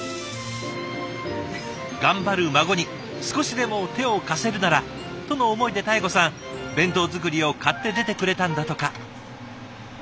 頑張る孫に少しでも手を貸せるならとの思いで多恵子さん弁当作りを買って出てくれたんだとか。